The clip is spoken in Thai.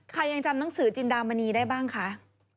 ใครยังจำนังสือจินดรามะนี้ได้บ้างคะ